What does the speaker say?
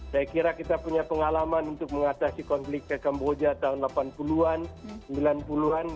saya kira kita punya pengalaman untuk mengatasi konflik ke kamboja tahun delapan puluh an sembilan puluh an